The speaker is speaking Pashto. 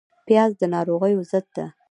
پیاز د ناروغیو ضد ده